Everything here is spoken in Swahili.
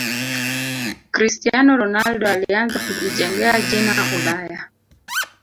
cristiano ronaldo alianza kujijengea jina ulaya